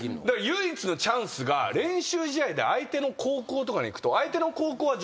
唯一のチャンスが練習試合で相手の高校とかに行くと。